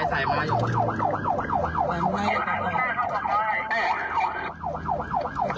เฮ้จำรวจ